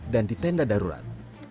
dan di tenda darurat